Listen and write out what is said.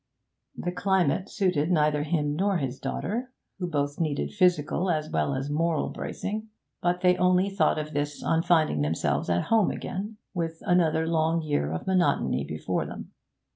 The climate suited neither him nor his daughter, who both needed physical as well as moral bracing; but they only thought of this on finding themselves at home again, with another long year of monotony before them.